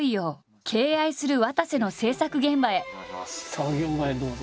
作業場へどうぞ。